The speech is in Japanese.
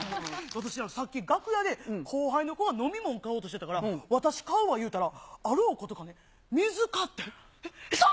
私、さっき楽屋で後輩の子が飲み物買おうとしてたから、私買うわ言うたら、あろうことか、水買ってん。